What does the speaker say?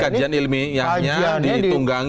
jadi kajian ilmiahnya ditunggangi